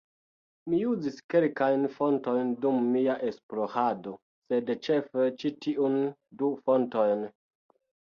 Mi uzis kelkajn fontojn dum mia esplorado, sed ĉefe ĉi tiun du fontojn: